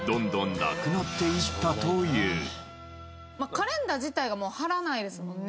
カレンダー自体がもう貼らないですもんね。